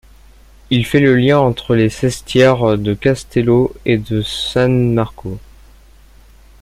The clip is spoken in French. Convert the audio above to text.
Il fait le lien entre les sestieres de Castello et de San Marco.